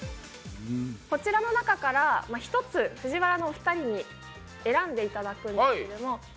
こちらの中から１つＦＵＪＩＷＡＲＡのお二人に選んでいただくんですけども。